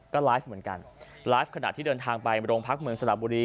ก็ไลฟ์เหมือนกันไลฟ์ขณะที่เดินทางไปโรงพักเมืองสระบุรี